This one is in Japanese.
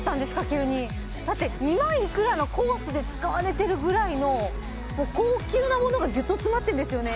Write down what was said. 急にだって２万いくらのコースで使われてるぐらいの高級なものがぎゅっと詰まってんですよね？